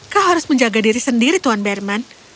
kau harus menjaga diri sendiri tuan berman